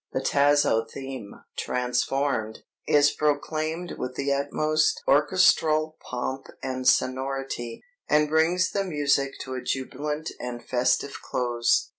The Tasso theme, transformed, is proclaimed with the utmost orchestral pomp and sonority, and brings the music to a jubilant and festive close.